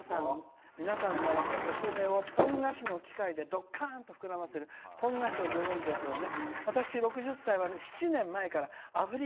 皆さんなら、お米をポン菓子の機械でどっかーんと膨らませるポン菓子をご存じですよね。